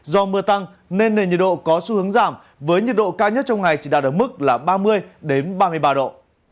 do mưa tăng nên nền nhiệt độ có xu hướng giảm với nhiệt độ cao nhất trong ngày chỉ đạt ở mức là ba mươi ba mươi ba độ